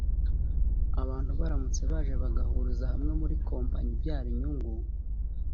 Abantu baramutse baje bagahuriza hamwe muri kompanyi ibyara inyungu